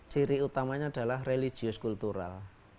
ciri utamanya adalah religius kultural